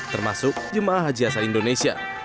termasuk jemaah haji asal indonesia